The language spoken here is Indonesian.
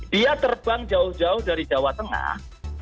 dia terbang jauh jauh dari jawa tengah